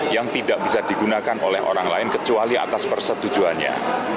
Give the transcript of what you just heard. yang tidak bisa digunakan oleh orang lain kecuali atas persetujuannya